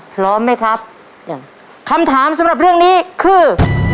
พร้อมไหมครับยังคำถามสำหรับเรื่องนี้คือ